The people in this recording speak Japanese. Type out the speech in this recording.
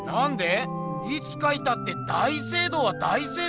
いつかいたって大聖堂は大聖堂だろ？